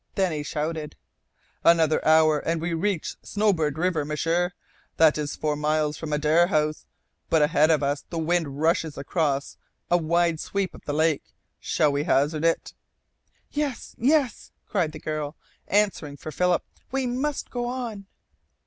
Then he shouted: "Another hour and we reach Snowbird River, M'sieur. That is four miles from Adare House. But ahead of us the wind rushes across a wide sweep of the lake. Shall we hazard it?" "Yes, yes," cried the girl, answering for Philip. "We must go on!"